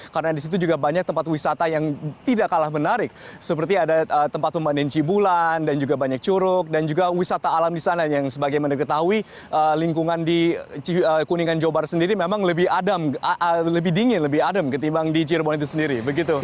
karena di situ juga banyak tempat wisata yang tidak kalah menarik seperti ada tempat pembanding cibulan dan juga banyak curug dan juga wisata alam di sana yang sebagai mana ketahui lingkungan di kuningan jawa barat sendiri memang lebih dingin lebih adem ketimbang di cirebon itu sendiri